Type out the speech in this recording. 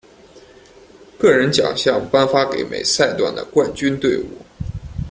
个人奖项颁发给每赛段的冠军队伍。